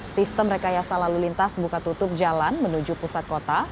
sistem rekayasa lalu lintas buka tutup jalan menuju pusat kota